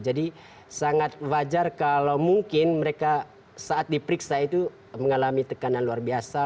jadi sangat wajar kalau mungkin mereka saat diperiksa itu mengalami tekanan luar biasa